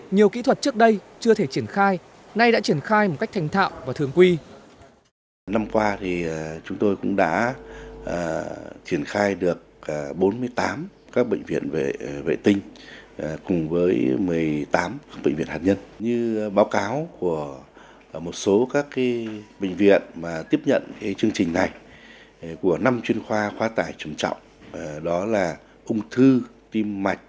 nhiều kỹ thuật trước đây chưa thể triển khai nay đã triển khai một cách thành thạo và thường quy